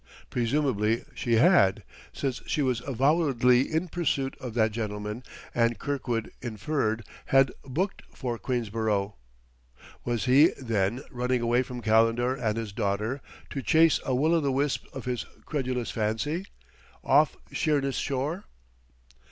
Presumably she had, since she was avowedly in pursuit of that gentleman, and, Kirkwood inferred, had booked for Queensborough. Was he, then, running away from Calendar and his daughter to chase a will o' the wisp of his credulous fancy, off Sheerness shore?